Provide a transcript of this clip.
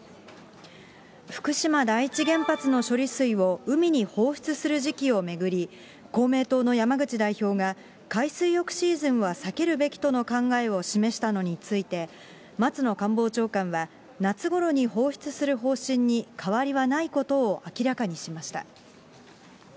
福島第一原発の処理水を海に放出する時期を巡り、公明党の山口代表が、海水浴シーズンは避けるべきとの考えを示したのについて、松野官房長官は、夏ごろに放出する方針に変わりはないことを明らかにしました。